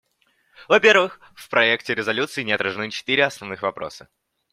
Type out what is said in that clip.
Во-первых, в проекте резолюции не отражены четыре основных вопроса.